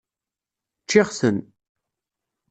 Ččiɣ-ten.